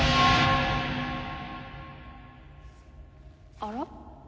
あら？